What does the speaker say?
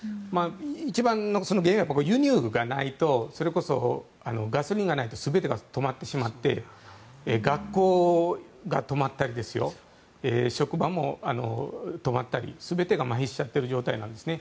一番の原因は、輸入がないとそれこそガソリンがないと全てが止まってしまって学校が止まったり職場も止まったり全てがまひしちゃってる状態なんですね。